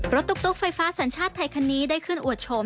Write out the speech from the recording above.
ตุ๊กไฟฟ้าสัญชาติไทยคันนี้ได้ขึ้นอวดโฉม